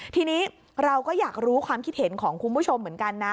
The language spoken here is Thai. ทีนี้เราก็อยากรู้ความคิดเห็นของคุณผู้ชมเหมือนกันนะ